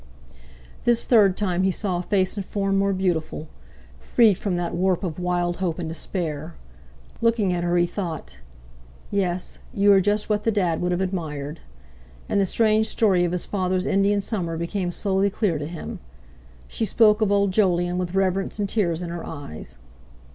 This third time he saw a face and form more beautiful—freed from that warp of wild hope and despair. Looking at her, he thought: "Yes, you are just what the Dad would have admired!" And the strange story of his father's Indian summer became slowly clear to him. She spoke of old Jolyon with reverence and tears in her eyes.